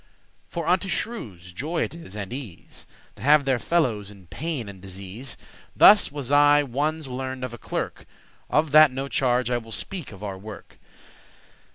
For unto shrewes* joy it is and ease *wicked folk To have their fellows in pain and disease.* *trouble Thus was I ones learned of a clerk; Of that no charge;* I will speak of our work.